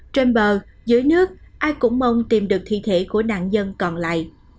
trên bờ dưới nước ai cũng mong tìm được thi thể của nạn dân còn lại